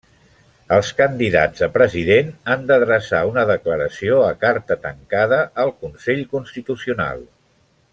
Els candidats a president han d'adreçar una declaració a carta tancada al Consell Constitucional.